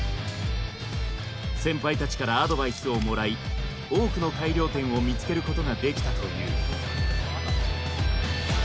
先輩たちからアドバイスをもらい多くの改良点を見つけることができたという。